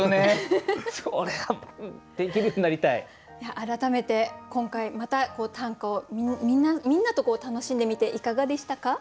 改めて今回また短歌をみんなと楽しんでみていかがでしたか？